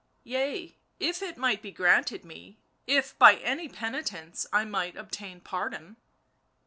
" Yea, if it might be granted me, if by any penitence I might obtain pardon."